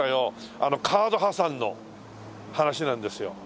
カード破産の話なんですよ。